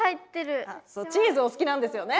チーズお好きなんですよね？